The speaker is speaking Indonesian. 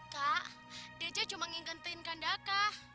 kak dija cuma menghentikan kandaka